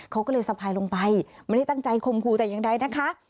เขาก็เลยสะพายลงไปไม่ได้ตั้งใจคมครูแต่อย่างใดนะคะ